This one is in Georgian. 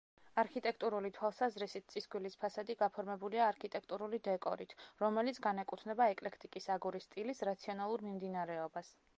არქიტექტურული თვალსაზრისით წისქვილის ფასადი გაფორმებულია არქიტექტურული დეკორით, რომელიც განეკუთვნება ეკლექტიკის აგურის სტილის რაციონალურ მიმდინარეობას.